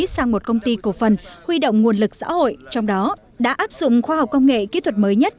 sang một công ty cổ phần huy động nguồn lực xã hội trong đó đã áp dụng khoa học công nghệ kỹ thuật mới nhất